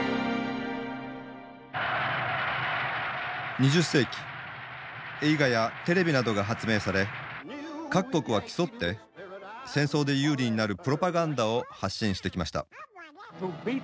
２０世紀映画やテレビなどが発明され各国は競って戦争で有利になるプロパガンダを発信してきました。